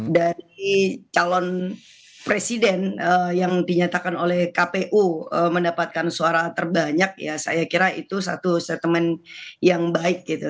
dari calon presiden yang dinyatakan oleh kpu mendapatkan suara terbanyak ya saya kira itu satu statement yang baik gitu